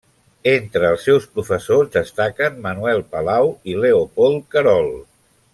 Entre els seus professors destaquen Manuel Palau i Leopold Querol.